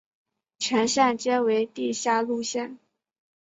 全线皆为地下路线。